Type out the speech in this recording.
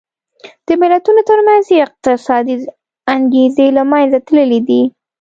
د ملتونو ترمنځ یې اقتصادي انګېزې له منځه تللې دي.